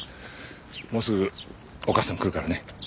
もうすぐお母さん来るからね。